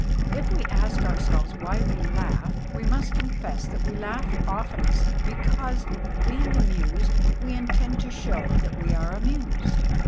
If we ask ourselves why we laugh, we must confess that we laugh oftenest because being amused we intend to show that we are amused.